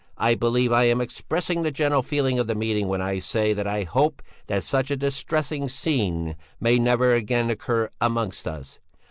I believe I am expressing the general feeling of the meeting when I say that I hope that such a distressing scene may never again occur amongst us.